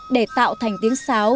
để tạo thành tiếng sáo